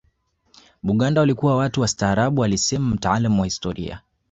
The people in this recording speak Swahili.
Baganda walikuwa watu wastaarabu alisema mtaalamu wa historia